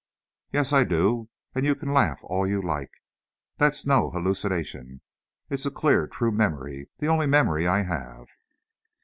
"Yes, I do! And you can laugh all you like. That's no hallucination, it's a clear, true memory, the only memory I have."